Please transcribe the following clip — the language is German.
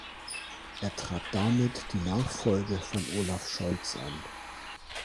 Er trat damit die Nachfolge von Olaf Scholz an.